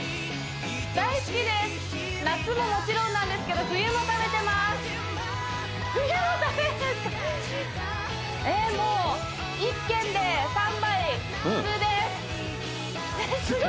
大好きです夏ももちろんなんですけど冬も食べるんですか！？